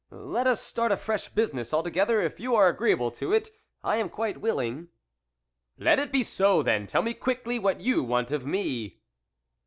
Let us start a fresh business altogether; if you are agreeable to it, I am quite willing." "Let it be so then; tell me quickly what you want of me."